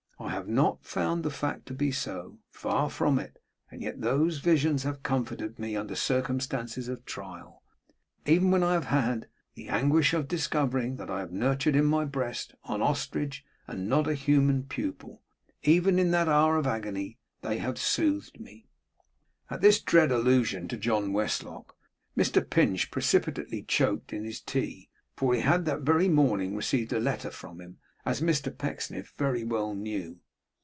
I have not found the fact to be so; far from it; and yet those visions have comforted me under circumstances of trial. Even when I have had the anguish of discovering that I have nourished in my breast on ostrich, and not a human pupil even in that hour of agony, they have soothed me.' At this dread allusion to John Westlock, Mr Pinch precipitately choked in his tea; for he had that very morning received a letter from him, as Mr Pecksniff very well knew.